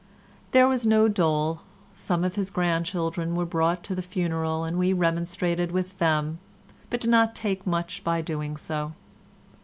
There was no dole. Some of his grandchildren were brought to the funeral and we remonstrated with them, but did not take much by doing so.